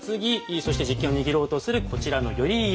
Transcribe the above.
そして実権を握ろうとするこちらの頼家派。